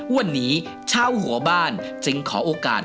วันนี้ชาวหัวบ้านจึงขอโอกาส